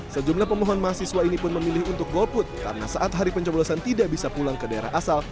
sejumlah pemohon mahasiswa ini pun memilih untuk golput karena saat hari pencoblosan tidak bisa pulang ke daerah asal